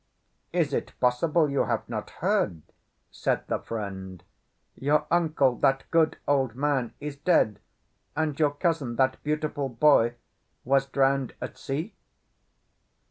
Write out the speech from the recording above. "Is it possible you have not heard," said the friend, "your uncle—that good old man—is dead, and your cousin—that beautiful boy—was drowned at sea?"